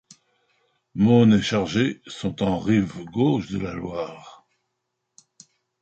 Mosnes et Chargé sont en rive gauche de la Loire.